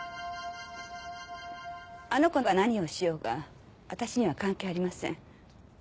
あの子が何をしようが私には関係ありません。